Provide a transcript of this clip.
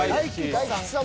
大吉さん。